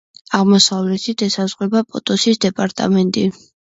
აღმოსავლეთით ესაზღვრება პოტოსის დეპარტამენტი.